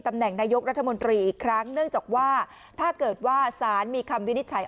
แหน่งนายกรัฐมนตรีอีกครั้งเนื่องจากว่าถ้าเกิดว่าสารมีคำวินิจฉัย